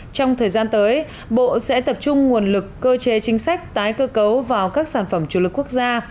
trong thời gian tới bộ sẽ tập trung nguồn lực cơ chế chính sách tái cơ cấu vào các sản phẩm chủ lực quốc gia